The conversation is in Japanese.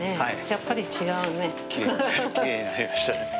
やっぱり違うね。